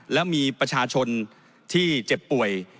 แล้วมีประชาชนที่เจ็บป่วย